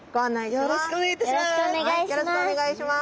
よろしくお願いします。